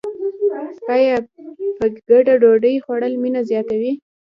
آیا په ګډه ډوډۍ خوړل مینه نه زیاتوي؟